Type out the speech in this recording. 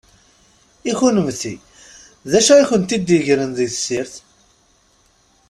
I kunemti, d acu i kwen-t-id-igren di tessirt?